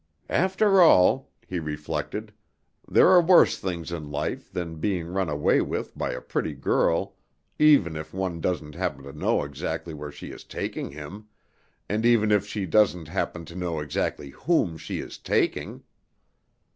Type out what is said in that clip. "After all," he reflected, "there are worse things in life than being run away with by a pretty girl, even if one doesn't happen to know exactly where she is taking him, and even if she doesn't happen to know exactly whom she is taking."